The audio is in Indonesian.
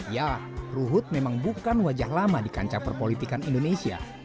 ya ruhut memang bukan wajah lama di kancah perpolitikan indonesia